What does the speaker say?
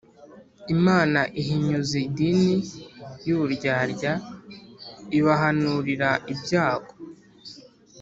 Imana ihinyuza idini y uburyarya ibahanurira ibyago